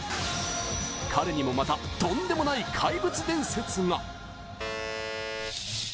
彼にもまた、とんでもない怪物伝説が。